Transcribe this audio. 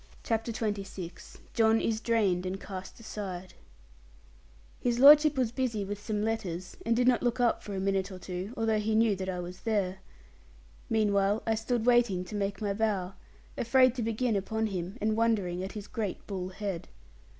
CHAPTER XXVI JOHN IS DRAINED AND CAST ASIDE His lordship was busy with some letters, and did not look up for a minute or two, although he knew that I was there. Meanwhile I stood waiting to make my bow; afraid to begin upon him, and wondering at his great bull head.